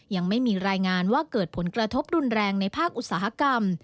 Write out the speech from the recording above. ยังไม่มีรายงานว่าเกิดผลกระทบรุนแรงในภาคอุตสาหกรรม